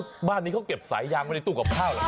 บ้านนี้เขาเก็บสายยางไว้ในตู้กับข้าวเหรอ